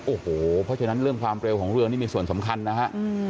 โอ้โหเพราะฉะนั้นเรื่องความเร็วของเรือนี่มีส่วนสำคัญนะฮะ